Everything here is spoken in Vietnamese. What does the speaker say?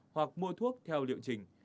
hoặc mua thuốc theo liệu trình